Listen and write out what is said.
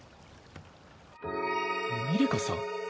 ミリカさん？